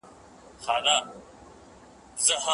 ماهر د ساعت ارزښت ټاکي.